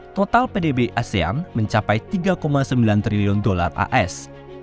total pdb asean mencapai tiga sembilan triliun dolar as